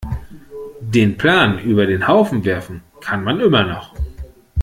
Den Plan über den Haufen werfen kann man immer noch.